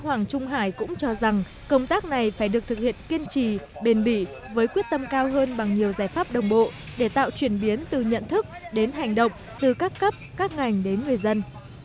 hoàng trung hải cũng cho rằng công tác này phải được thực hiện kiên trì bền bỉ với quyết tâm cao hơn bằng nhiều giải pháp đồng bộ để tạo chuyển biến từ nhận thức đến hành động từ các cấp các ngành đến người dân